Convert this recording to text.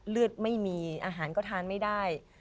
เลือดไม่มีอาหารก็ทานไม่ได้